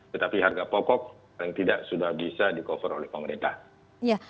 tetapi harga pokok paling tidak sudah bisa di cover oleh pemerintah